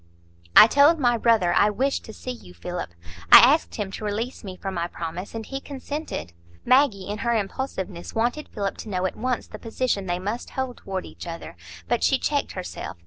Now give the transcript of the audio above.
"I told my brother I wished to see you, Philip; I asked him to release me from my promise, and he consented." Maggie, in her impulsiveness, wanted Philip to know at once the position they must hold toward each other; but she checked herself.